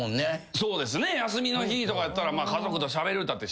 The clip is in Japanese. そうですね休みの日とかやったら家族としゃべるったって知れてます。